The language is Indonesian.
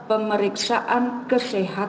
atau bagian dari ia